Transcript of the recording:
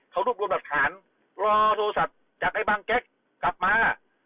เขารวบรวมหลักฐานรอโทรศัพท์จากไอ้บางแก๊กกลับมา